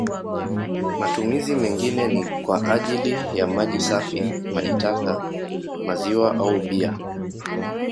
Matumizi mengine ni kwa ajili ya maji safi, maji taka, maziwa au bia.